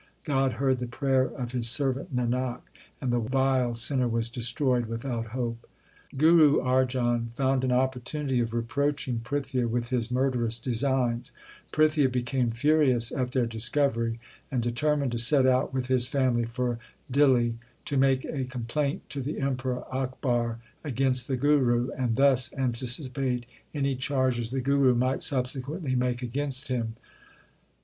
God heard the prayer of His servant Nanak, And the vile sinner was destroyed without hope. 2 Guru Arjan found an opportunity of reproaching 1 Literally not the size of a sesame. 2 Bhairo. 48 THE SIKH RELIGION Prithia with his murderous designs. Prithia became furious at their discovery, and determined to set out with his family for Dihli to make a complaint to the Emperor Akbar against the Guru, and thus antici pate any charges the Guru might subsequently make against him.